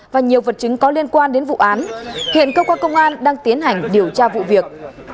và nhiều vật chứng có liên quan đến vụ án hiện cơ quan công an đang tiến hành điều tra vụ việc